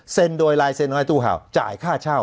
เซ็นโดยลายเซ็นของนายตู้เห่าจ่ายค่าเช่า